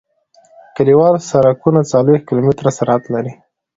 کلیوال سرکونه څلویښت کیلومتره سرعت لري